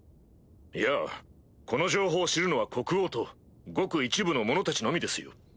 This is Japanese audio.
いやこの情報を知るのは国王とごく一部の者たちのみですよ。